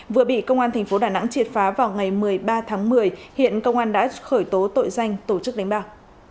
vừa bị công an tp đà nẵng triệt phá vào ngày một mươi ba tháng một mươi hiện công an đã khởi tố tội danh tổ chức đánh bạc